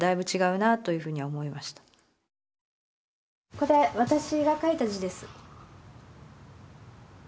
これ私が書いた字です。